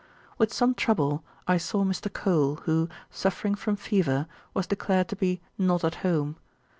With some trouble I saw Mr. Cole, who, suffering from fever, was declared to be not at home.